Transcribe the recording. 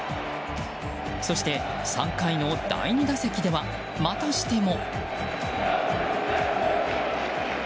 そして、３回の第２打席ではまたしても。